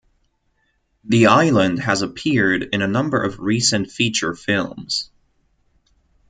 The island has appeared in a number of recent feature films.